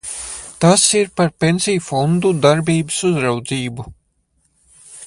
Tas ir par pensiju fondu darbības uzraudzību.